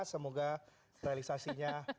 semoga realisasinya lanjut